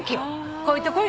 こういうところに。